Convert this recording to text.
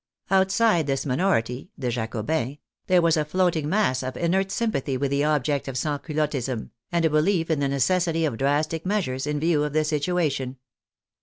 Outside this minority (the Jacobins) there was a floating mass of inert sympathy with the objects of Sansculottism, and a belief in the necessity of drastic measures in view of the situation.